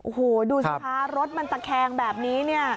โอ้โหดูสภารถน์มันตะแคงแบบนี้